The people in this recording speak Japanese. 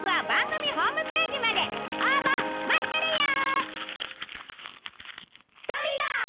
応募待ってるよ！